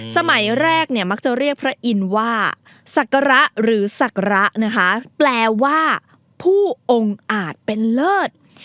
สมัยแรกเนี่ยมักจะเรียกพระอินทร์ว่าศักระหรือศักระนะคะแปลว่าผู้องค์อาจเป็นเลิศ